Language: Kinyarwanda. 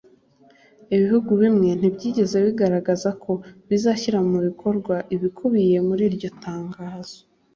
Ibihugu bimwe ntibyigeze bigaragaza ko bizashyira mu bikorwa ibikubiye muri iryo tangazo